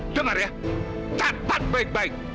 dengar ya kapan baik baik